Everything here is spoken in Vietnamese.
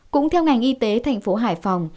cũng theo ngành y tế thành phố hải phòng